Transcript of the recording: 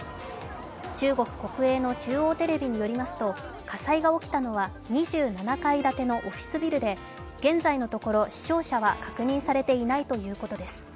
中国国営の中央テレビによりますと、火災が起きたのは２７階建てのオフィスビルで、現在のところ死傷者は確認されていないということです。